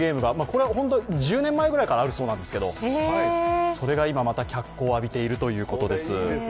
これは１０年ぐらい前からあるそうですけど、それが今また脚光を浴びているということです。